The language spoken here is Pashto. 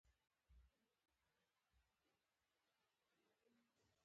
د شانګلې د يوسفزۍقبيلې سره د کابل ګرام پۀ کلي کې ديره شو